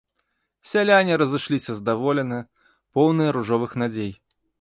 Сяляне разышліся здаволеныя, поўныя ружовых надзей.